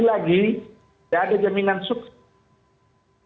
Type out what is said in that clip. jadi tidak ada jaminan sukses